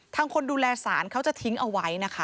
ทางคนดูแลสารเขาจะทิ้งเอาไว้